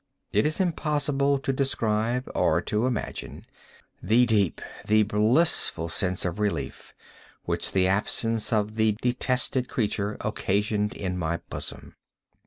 It is impossible to describe, or to imagine, the deep, the blissful sense of relief which the absence of the detested creature occasioned in my bosom.